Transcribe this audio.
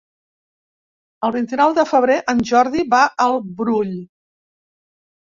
El vint-i-nou de febrer en Jordi va al Brull.